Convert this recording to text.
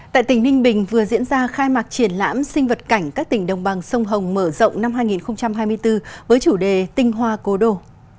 tại tỉnh ninh bình vừa diễn ra khai mạc triển lãm sinh vật cảnh các tỉnh đồng bằng sông hồng mở rộng năm hai nghìn hai mươi bốn với chủ đề tinh hoa cố đô